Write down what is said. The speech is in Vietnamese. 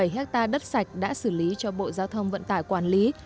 bảy hectare đất sạch đã xử lý cho bộ giao thông vận tải quản lý